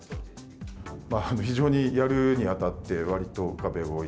非常にやるにあたって、わりと壁は多い。